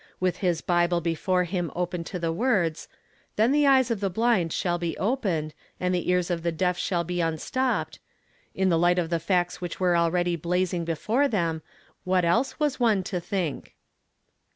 With his Bible before him open to the words, « Then the eyes of the blind shall be opened, and the ears of the deaf shall be un stopped," in the light of the facts which were already blazing before them, what else was one to think